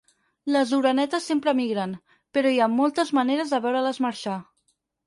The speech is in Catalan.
Les orenetes sempre emigren, però hi ha moltes maneres de veure-les marxar.